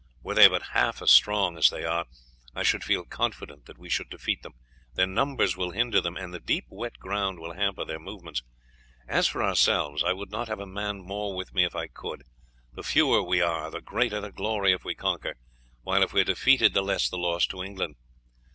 "Were they but half as strong as they are I should feel less confident that we should defeat them; their numbers will hinder them, and the deep wet ground will hamper their movements. As for ourselves, I would not have a man more with me if I could; the fewer we are the greater the glory if we conquer, while if we are defeated the less the loss to England.